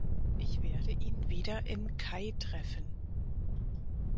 Ich werde ihn wieder in Kaitreffen.